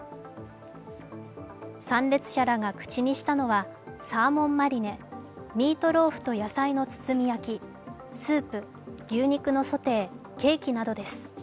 参列者らが口にしたのはサーモンマリネ、ミートローフと野菜の包み焼き、スープ、牛肉のソテー、ケーキなどです。